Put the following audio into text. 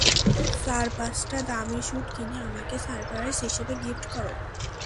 চার-পাঁচটা দামী স্যুট কিনে আমাকে সারপ্রাইজ হিসেবে গিফট কর।